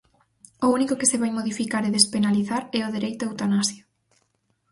O único que se vai modificar e despenalizar é o dereito á eutanasia.